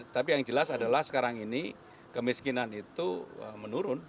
tapi yang jelas adalah sekarang ini kemiskinan itu menurun